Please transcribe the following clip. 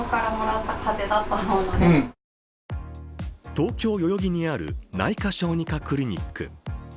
東京・代々木にある内科小児科クリニック。